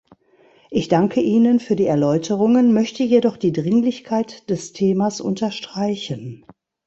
Ich danke Ihnen für die Erläuterungen, möchte jedoch die Dringlichkeit des Themas unterstreichen.